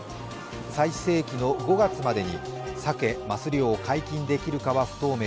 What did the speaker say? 最盛期の５月までにサケ・マス漁を解禁できるかは不透明。